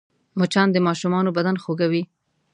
مچان د ماشومانو بدن خوږوي